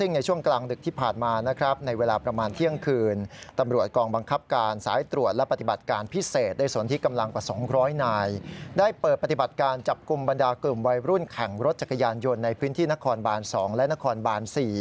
ในพื้นที่นครบาล๒และนครบาล๔